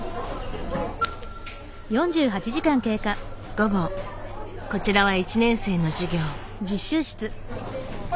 午後こちらは１年生の授業。